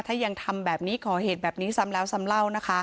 ถ้ายังทำแบบนี้ก่อเหตุแบบนี้ซ้ำแล้วซ้ำเล่านะคะ